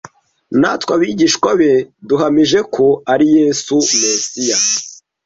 Natwe abigishwa be, duhamije ko: Ari Yesu, Mesiya